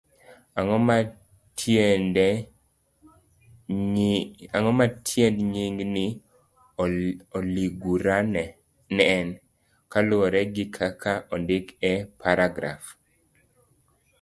Ang'o ma tiend nying' ni aligura en, kaluwore gi kaka ondik e paragraf?